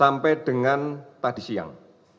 mulai dengan tadi siang